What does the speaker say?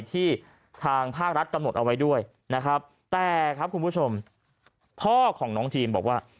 ที่ทางภาครัฐกำหนดเอาไว้ด้วยนะครับแต่ครับคุณผู้ชมพ่อของน้องทีมบอกว่า